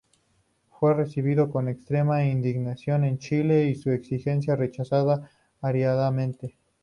Fue recibido con extrema indignación en Chile, y su exigencia rechazada airadamente.